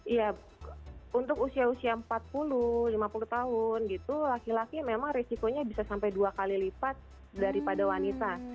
iya untuk usia usia empat puluh lima puluh tahun gitu laki laki memang risikonya bisa sampai dua kali lipat daripada wanita